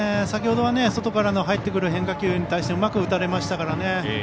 先ほどは外から入ってくる変化球に対してうまく打たれましたからね。